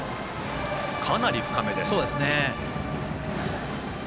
かなり深めです。